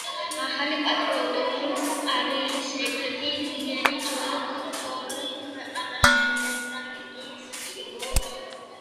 ახალი პატრიოტული პარტიის ერთ-ერთი ლიდერი ჯონ კუფუორი ქვეყანაში დემოკრატიის სიმბოლო გახდა.